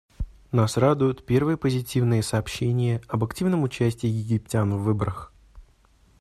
Нас радуют первые позитивные сообщения об активном участии египтян в выборах.